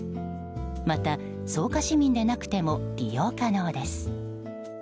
また、草加市民でなくても利用可能です。